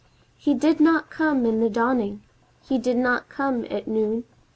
He did not come in the dawning; he did not come at noon.